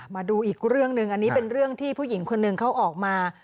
มาดูอีกเรื่องหนึ่งอันนี้เป็นเรื่องที่ผู้หญิงคนหนึ่งเขาออกมา